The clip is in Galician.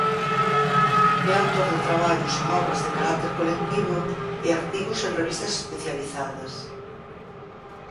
É autor de traballos en obras de carácter colectivo e artigos en revistas especializadas.